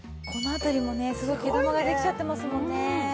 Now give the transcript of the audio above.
この辺りもねすごい毛玉ができちゃってますもんね。